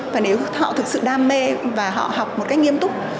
và nếu họ thực sự đam mê và họ học một cách nghiêm túc